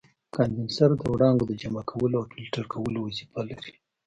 کاندنسر د وړانګو د جمع کولو او فلټر کولو وظیفه لري.